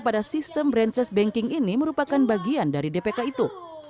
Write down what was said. pada sistem branchess banking ini merupakan bagian dari dpk itu